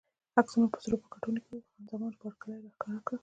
عکسونه په سرو پاکټو کې وو، خان زمان بارکلي راښکاره کړل.